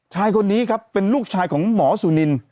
ชายคนนี้ครับเป็นลูกชายของหมอสุนิน